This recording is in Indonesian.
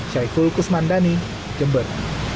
syaiful kusmandani jember